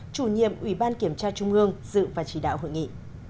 chủ nhiệm ủy ban kiểm tra trung ương dự và chỉ đạo hội nghị